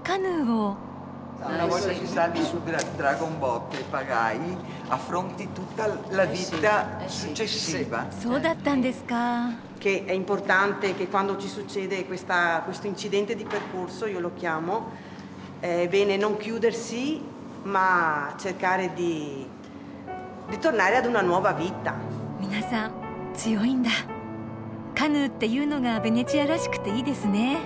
カヌーっていうのがベネチアらしくていいですね。